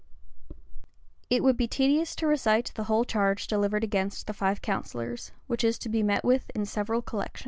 It would be tedious to recite the whole charge delivered in against the five counsellors; which is to be met with in several collections.